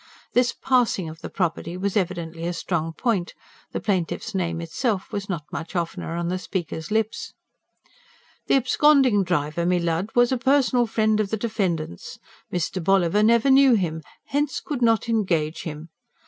This "passing" of the property was evidently a strong point; the plaintiff's name itself was not much oftener on the speaker's lips. "The absconding driver, me Lud, was a personal friend of the defendant's. Mr. Bolliver never knew him; hence could not engage him.